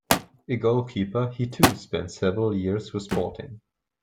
A goalkeeper, he too spent several years with Sporting.